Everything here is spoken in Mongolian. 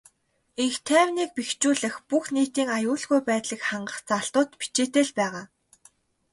Энх тайвныг бэхжүүлэх, бүх нийтийн аюулгүй байдлыг хангах заалтууд бичээтэй л байгаа.